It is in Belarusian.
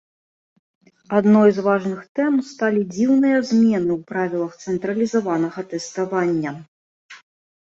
Адной з важных тэм сталі дзіўныя змены ў правілах цэнтралізаванага тэставання.